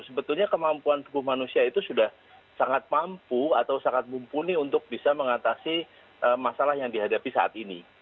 sebetulnya kemampuan tubuh manusia itu sudah sangat mampu atau sangat mumpuni untuk bisa mengatasi masalah yang dihadapi saat ini